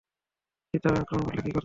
চিতাবাঘ আক্রমণ করলে কী করতে?